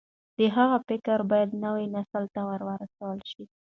د هغه فکر بايد نوي نسل ته ورسول شي.